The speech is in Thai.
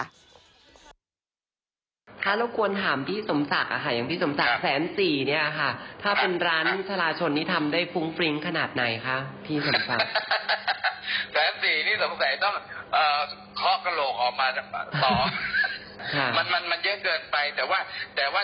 ไอ้๙๖๐๐๐บาทเนี่ยมันก็คือค่าตอบผมเข้าไปแล้วอะ